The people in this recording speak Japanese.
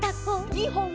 にほん。